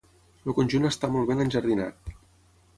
El conjunt està molt ben enjardinat.